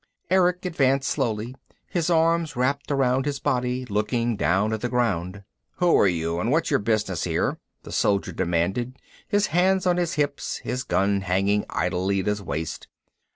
Erick advanced slowly, his arms wrapped around his body, looking down at the ground. "Who are you and what's your business here?" the soldier demanded, his hands on his hips, his gun hanging idly at his waist.